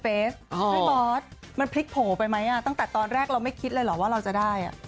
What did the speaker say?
พี่บอสมันพลิกโผล่ไปไหมตั้งแต่ตอนแรกเราไม่คิดเลยเหรอว่าเราจะได้